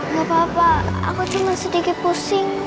gak apa apa aku cuma sedikit pusing